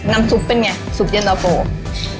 น้ำซุปเป็นไงซุปเย็นเตาโกะ